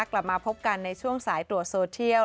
กลับมาพบกันในช่วงสายตรวจโซเทียล